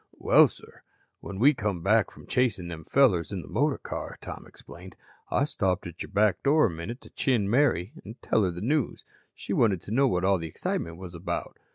"Well, sir, when we come back from chasin' them fellers in the motor car," Tom explained, "I stopped at your back door a minute to chin Mary an' tell her the news. She wanted to know what all the excitement was about.